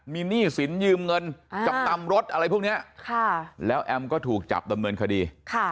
มีหนี้สินยืมเงินจำนำรถอะไรพวกนี้แล้วแอมก็ถูกจับดำเนินคดี